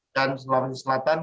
dan di sulawesi selatan